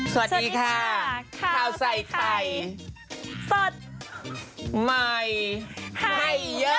สวัสดีค่ะข้าวใส่ไข่สดใหม่ให้เยอะ